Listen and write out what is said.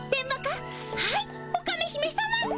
はいオカメ姫さま。